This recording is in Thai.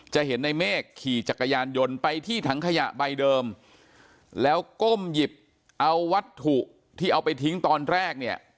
จะเห็นในเมฆขี่จักรยานยนต์ไปที่ถังขยะใบเดิมแล้วก้มหยิบเอาวัตถุที่เอาไปทิ้งตอนแรกเนี่ย